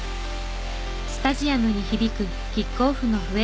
スタジアムに響くキックオフの笛。